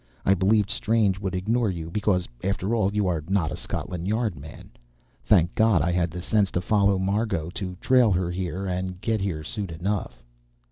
I believed Strange would ignore you, because, after all, you are not a Scotland Yard man. Thank God I had the sense to follow Margot to trail her here and get here soon enough."